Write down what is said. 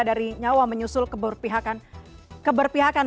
dari nyawa menyusul ke berpihakan